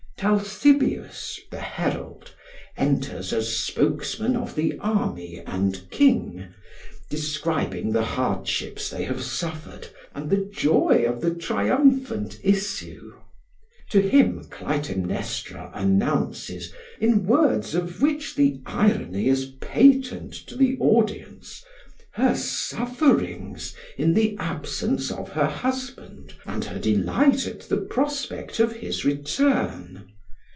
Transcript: Talthybius, the herald, enters as spokesman of the army and king, describing the hardships they have suffered and the joy of the triumphant issue. To him Clytemnestra announces, in words of which the irony is patent to the audience, her sufferings in the absence of her husband and her delight at the prospect of his return.